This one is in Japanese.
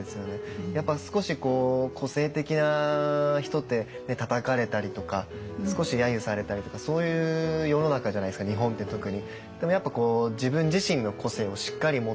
やっぱ少し個性的な人ってたたかれたりとか少し揶揄されたりとかそういう世の中じゃないですか日本って特に。